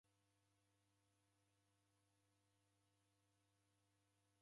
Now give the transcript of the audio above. Mizi imu ndeingilwagha nadime